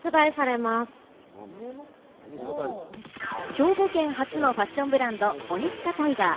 兵庫県発のファッションブランド、オニツカタイガー。